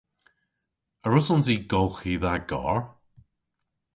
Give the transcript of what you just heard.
A wrussons i golghi dha garr?